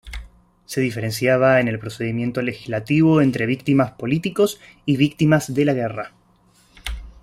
Se diferenciaba en el procedimiento legislativo entre víctimas políticos y víctimas de la guerra.